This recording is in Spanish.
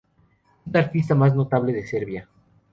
Es la artista más notable de Serbia.